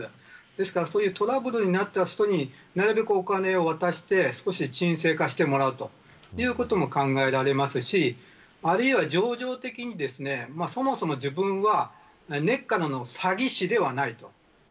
ですから、そういうトラブルになった人になるべくお金を渡して少し沈静化してもらうということも考えられますしあるいは情状的にそもそも自分は根っからの詐欺師ではないと。